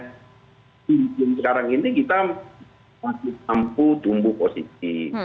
di bidik ini sekarang ini kita masih mampu tumbuh positif